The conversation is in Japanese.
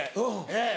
ええ。